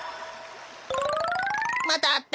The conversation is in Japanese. またあった。